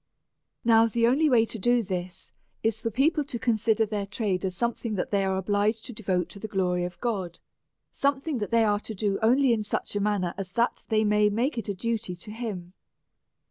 Now, the only way to do this is for people to con sider their trade as something that they are obliged to devote to the glory of God, something that they are to do only in such a manner as that they may make it a duty to him.